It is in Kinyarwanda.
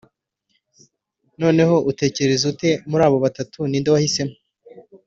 Noneho utekereza ute muri abo batatu ni nde wahisemo‽